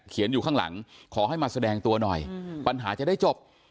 อยู่ข้างหลังขอให้มาแสดงตัวหน่อยปัญหาจะได้จบ